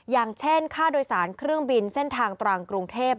อย่างเช่นค่าโดยสารเครื่องบินเส้นทางตรังกรุงเทพ